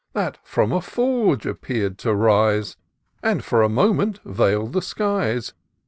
That from a forge appeax'd to rise. And for a moment veil'd the skies.